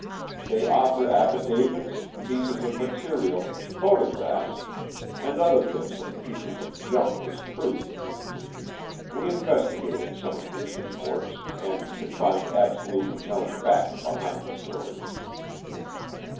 They offer affidavits, pieces of material, photographs, and other bits and pieces of junk as proof. We investigated some of these reports and could find absolutely no fact behind the stories.